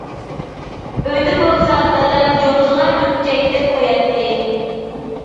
ئۆيدە بولسا دادام جوزىغا مۈكچەيتىپ قوياتتى.